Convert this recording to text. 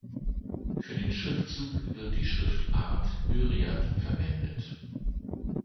Für den Schriftzug wird die Schriftart „Myriad“ verwendet.